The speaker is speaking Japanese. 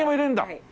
はい。